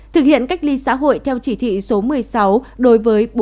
thực hiện cách ly xã hội theo chỉ thị số một mươi sáu đối với